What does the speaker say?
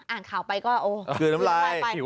อ่านข่าวไปก็โอ้ย